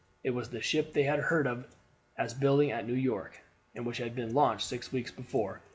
It was the ship they had heard of as building at New York, and which had been launched six weeks before.